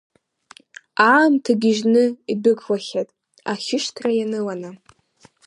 Аамҭа гьежьны идәықәлахьеит, ахьышьҭра ианыланы.